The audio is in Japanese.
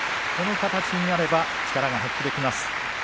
この形になれば力を発揮できます。